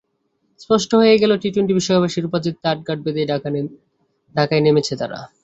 স্পষ্ট হয়ে গেল টি-টোয়েন্টি বিশ্বকাপের শিরোপা জিততে আটঘাট বেধেই ঢাকায় নেমেছে তারা।